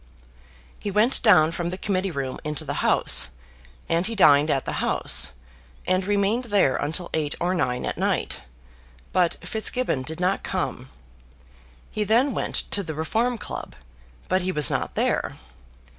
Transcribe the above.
He went down from the Committee Room into the House, and he dined at the House, and remained there until eight or nine at night; but Fitzgibbon did not come. He then went to the Reform Club, but he was not there.